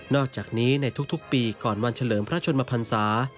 อกจากนี้ในทุกปีก่อนวันเฉลิมพระชนมพันศา